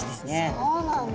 そうなんだ。